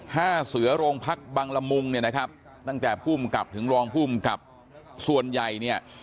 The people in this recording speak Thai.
ห้าเสือโรงพักบังละมุงเนี่ยนะครับตั้งแต่ภูมิกับถึงรองภูมิกับส่วนใหญ่เนี่ย